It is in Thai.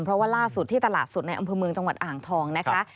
เพราะว่าล่าสุดที่ตลาดสดในอำเภอเมืองจังหวัดอ่างทองนะคะ